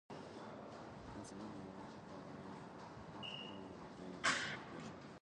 The tsunami washed away yurts belonging to the native population.